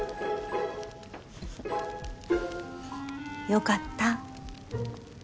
よかった。